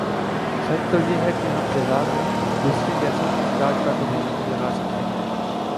سچ تو یہ ہے کہ ہم فضا میں دوسری گیسوں کے اخراج پر تو پابندی لگاسکتے ہیں